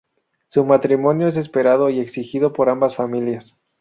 Su matrimonio es esperado y exigido por ambas familias.